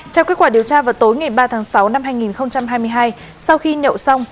theo kết quả điều tra vào tối ngày ba tháng sáu năm hai nghìn hai mươi hai sau khi nhậu xong